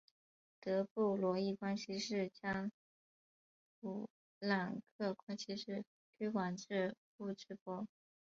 德布罗意关系式将普朗克关系式推广至物质波。